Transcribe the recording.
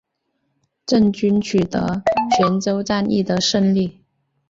郑军取得泉州战役的胜利。